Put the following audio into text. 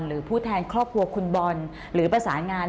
หรือผู้แทนครอบครัวคุณบอลหรือประสานงาน